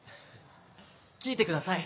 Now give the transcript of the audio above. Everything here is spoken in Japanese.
聴いてください。